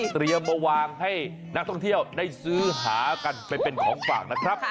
มาวางให้นักท่องเที่ยวได้ซื้อหากันไปเป็นของฝากนะครับ